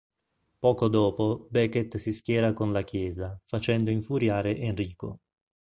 Poco dopo Becket si schiera con la Chiesa, facendo infuriare Enrico.